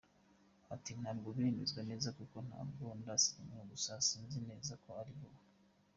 Ati “Ntabwo biremezwa neza kuko ntabwo ndasinyamo gusa nzi neza ko ari vuba.